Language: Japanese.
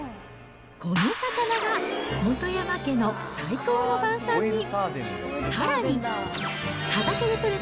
この魚が本山家の最高の晩さんに。